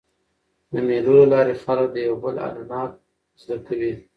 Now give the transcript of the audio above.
د مېلو له لاري خلک د یو بل عنعنات زده کوي.